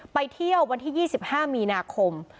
ไปเที่ยววันที่๒๕มีนาคม